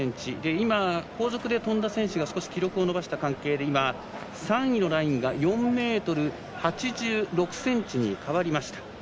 今、後続で跳んだ選手が少し記録を伸ばした関係で３位のラインが４ｍ８６ｃｍに変わりました。